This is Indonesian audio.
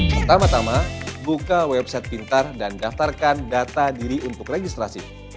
pertama tama buka website pintar dan daftarkan data diri untuk registrasi